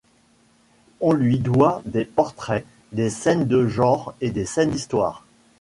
On lui doit des portraits, des scènes de genre et des scènes d'histoire.